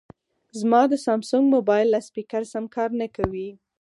زما د سامسنګ مبایل لاسپیکر سم کار نه کوي